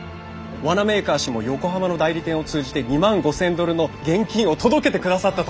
ワナメーカー氏も横浜の代理店を通じて２万５，０００ドルの現金を届けてくださったと。